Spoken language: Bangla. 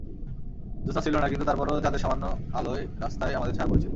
জোস্না ছিল না, কিন্তু তারপরও চাঁদের সামান্য আলোয় রাস্তায় আমাদের ছায়া পড়েছিল।